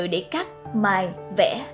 để cắt mài vẽ